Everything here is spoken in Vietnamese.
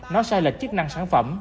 nói sai lệch chức năng sản phẩm